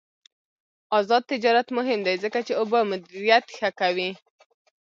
آزاد تجارت مهم دی ځکه چې اوبه مدیریت ښه کوي.